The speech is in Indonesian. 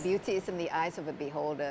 karya karya itu di mata penonton